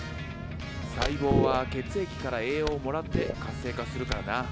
細胞は血液から栄養をもらって活性化するからな。